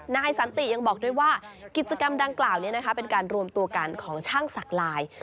นายสันติยังบอกด้วยว่ากิจกรรมดังกล่าวนี้นะคะเป็นการรวมตัวกันของช่างสักลาย